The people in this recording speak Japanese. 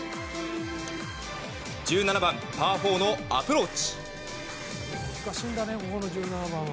１７番、パー４のアプローチ。